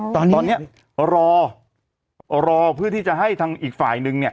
ตอนนี้รอรอเพื่อที่จะให้ทางอีกฝ่ายนึงเนี่ย